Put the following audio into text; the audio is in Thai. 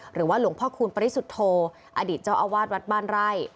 หรือว่าหลวงพ่อคูณปริสุทธโธอดีตเจ้าอาวาสวัดบ้านไร่